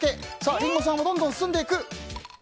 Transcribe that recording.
リンゴさんはどんどん進んでいく。